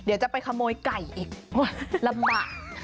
เดี๋ยวจะไปขโมยไก่อีกลำบาก